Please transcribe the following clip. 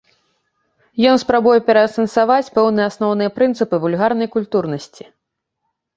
Ён спрабуе пераасэнсаваць пэўныя асноўныя прынцыпы вульгарнай культурнасці.